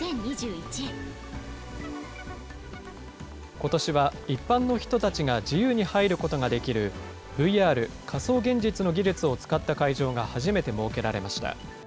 ことしは一般の人たちが自由に入ることができる、ＶＲ・仮想現実の技術を使った会場が初めて設けられました。